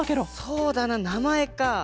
そうだななまえか。